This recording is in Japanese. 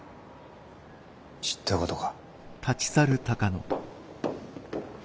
知ったことか。